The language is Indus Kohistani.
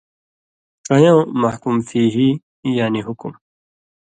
ڇَیؤں 'محکُوم فیہ' یعنی حُکُم